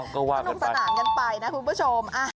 ต้องสนานกันไปนะคุณผู้ชม